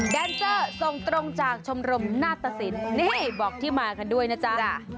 แดนเซอร์ส่งตรงจากชมรมนาตสินนี่บอกที่มากันด้วยนะจ๊ะ